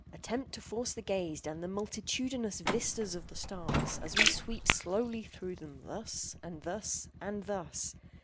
—attempt to force the gaze down the multitudinous vistas of the stars, as we sweep slowly through them thus—and thus—and thus!